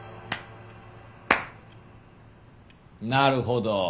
なるほど。